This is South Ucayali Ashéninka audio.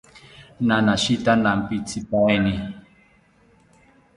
Nanashita nampitzipaeni